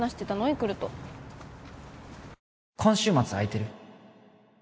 育と今週末空いてる？